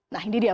nah ini dia